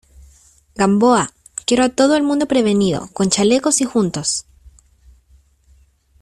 Gamboa, quiero a todo el mundo prevenido , con chalecos y juntos.